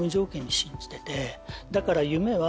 だから夢は。